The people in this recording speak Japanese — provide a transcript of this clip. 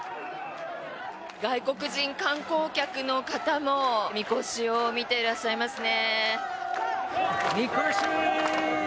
外国人観光客の方もみこしを見ていらっしゃいますね。